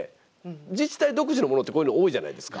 自治体独自のものってこういうの多いじゃないですか。